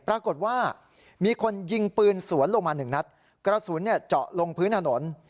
ปรากฏว่ามีคนยิงปืนสวนลงมาหนึ่งนัดกระสุนเจาะลงพื้นถนน